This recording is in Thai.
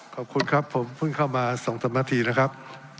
ขอบคุณครับผมเพิ่งเข้ามา๒๓นาทีนะครับ